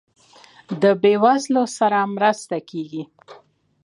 د بیوزلو سره مرسته کیږي؟